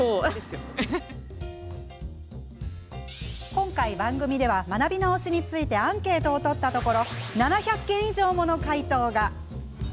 今回、番組では学び直しについてアンケートを取ったところ７００件以上もの回答が。